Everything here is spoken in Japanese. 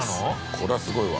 こりゃすごいわ。